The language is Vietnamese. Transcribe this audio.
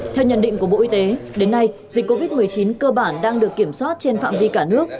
theo nhận định của bộ y tế đến nay dịch covid một mươi chín cơ bản đang được kiểm soát trên phạm vi cả nước